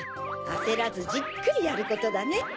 あせらずじっくりやることだね。